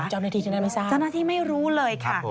แล้วเจ้าหน้าที่ไม่รู้เลยค่ะ